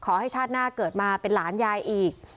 ขอให้ชาติน่าเกิดมาเป็นล้านยายอีก